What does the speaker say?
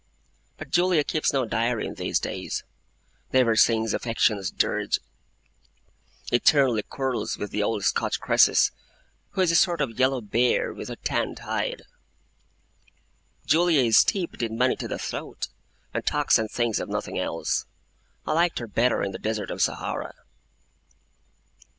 But Julia keeps no diary in these days; never sings Affection's Dirge; eternally quarrels with the old Scotch Croesus, who is a sort of yellow bear with a tanned hide. Julia is steeped in money to the throat, and talks and thinks of nothing else. I liked her better in the Desert of Sahara.